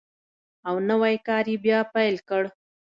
او نوی کار یې بیا پیل کړ.